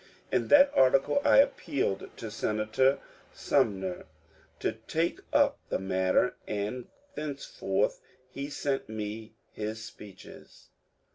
In that article I appealed to Senator Sunmer to take up the matter, and thenceforth he sent me his speeches.